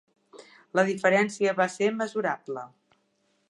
La diferència va ser mesurable.